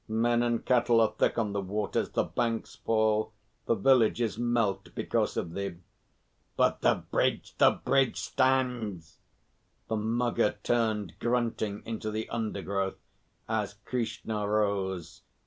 Men and cattle are thick on the waters the banks fall the villages melt because of thee." "But the bridge the bridge stands." The Mugger turned grunting into the undergrowth as Krishna rose.